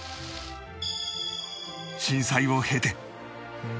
震災を経て